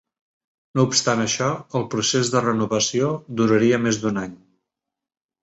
No obstant això, el procés de renovació duraria més d'un any.